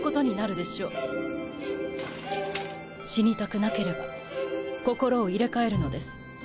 死にたくなければ心を入れ替えるのです。